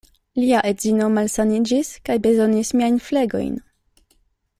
Lia edzino malsaniĝis kaj bezonis miajn flegojn.